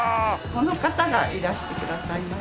この方がいらしてくださいました。